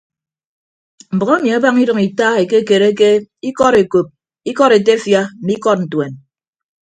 Mbʌk emi abaña idʌñ ita ekekereke ikọd ekop ikọd etefia mme ikọd ntuen.